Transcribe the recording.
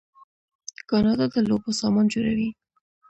کاناډا د لوبو سامان جوړوي.